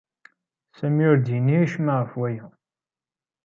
Sami ur d-yenni acemma ɣef waya.